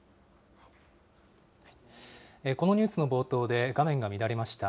このニュースの冒頭で画面が乱れました。